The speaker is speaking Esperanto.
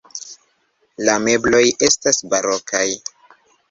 La mebloj estas barokaj.